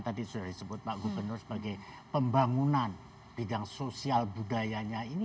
tadi sudah disebut pak gubernur sebagai pembangunan bidang sosial budayanya ini